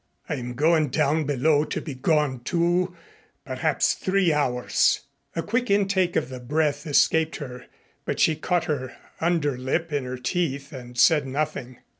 "I am going down below to be gone two perhaps three hours." A quick intake of the breath escaped her but she caught her under lip in her teeth and said nothing.